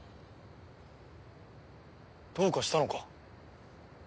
どうかしたのか？